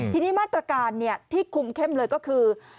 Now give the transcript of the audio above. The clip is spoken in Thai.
ทีนี้มาตรการที่คุมเข้มเลยก็คือ